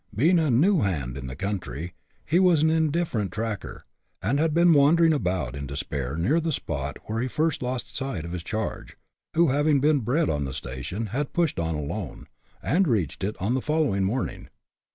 Being a " new hand " in the country, he was an indifferent tracker, and had been wandering about in despair neaf the spot where he first lost sight of his charge, who, having been bred on the station, had pushed on alone, and reached it on the following morning.